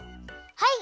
はい。